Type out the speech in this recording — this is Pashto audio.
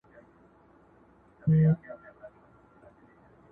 خر پر خوټو پېژني.